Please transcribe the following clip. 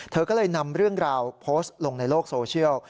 เธอก็เลยนำเรื่องราวโพสต์ลงในโลกโซเชียล